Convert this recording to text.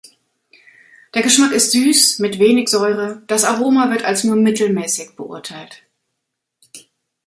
Der Geschmack ist süß, mit wenig Säure, das Aroma wird als nur mittelmäßig beurteilt.